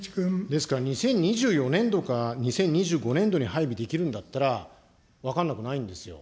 ですから、２０２４年度か２０２５年度に配備できるんだったら、分かんなくないんですよ。